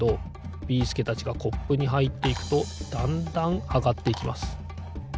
ビーすけたちがコップにはいっていくとだんだんあがっていきます。